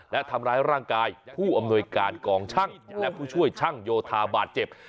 และทำร้ายร่างกายผู้อำนวยการกองช่างและผู้ช่วยช่างโยธาบาดเจ็บ